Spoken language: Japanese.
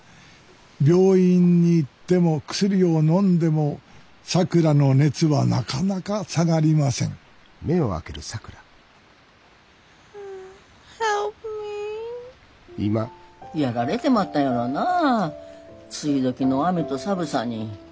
病院に行っても薬をのんでもさくらの熱はなかなか下がりませんやられてまったんやろな梅雨時の雨と寒さに。